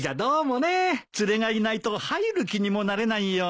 連れがいないと入る気にもなれないよ。